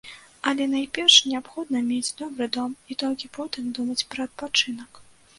Але найперш неабходна мець добры дом, і толькі потым думаць пра адпачынак.